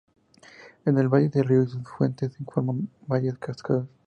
En el valle del río y sus afluentes se forman varias cascadas.